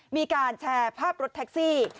มีการแชร์ภาพรถแท็กซี่